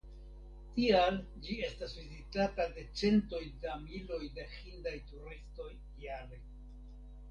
Tial ĝi estas vizitata de centoj da miloj da hindaj turistoj jare.